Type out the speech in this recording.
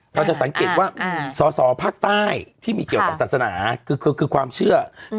เราจะสังเกตว่าสอสอภาคใต้ที่มีเกี่ยวกับศาสนาคือความเชื่อ